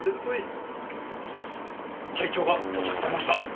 隊長が到着されました。